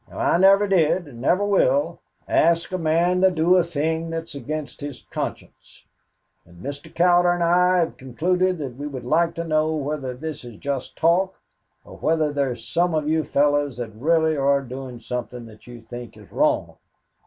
Now, I never did, and never will, ask a man to do a thing that is against his conscience; and Mr. Cowder and I have concluded that we would like to know whether this is just talk or whether there is some of you fellows that really are doing something that you think is wrong.